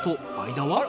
間は？